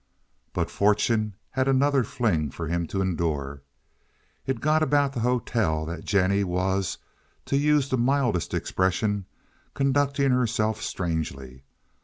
But fortune had another fling for him to endure. It got about the hotel that Jennie was, to use the mildest expression, conducting herself strangely.